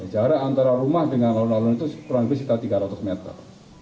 jarak antara rumah dengan alun alun itu kurang lebih sekitar tiga ratus meter